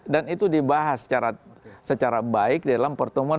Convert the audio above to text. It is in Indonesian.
dan itu dibahas secara baik di dalam pertemuan